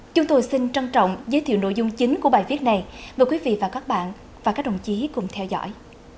chúng tôi xin trân trọng giới thiệu nội dung chính của bài viết này mời quý vị và các bạn và các đồng chí cùng theo dõi